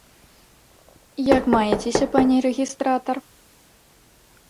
Як маецеся, пане рэгістратар?